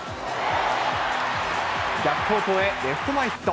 逆方向へレフト前ヒット。